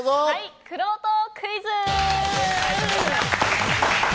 くろうとクイズ！